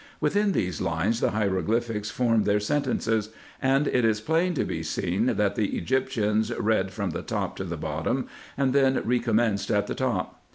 Within these lines the hieroglyphics form their sentences ; and it is plainly to be seen, that the Egyptians read from the top to the bottom, and then recommenced at the top.